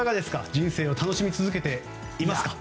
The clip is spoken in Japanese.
人生を楽しみ続けていますか？